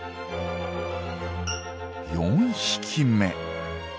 ４匹目。